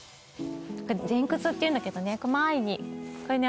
これ前屈っていうんだけどね前にこれね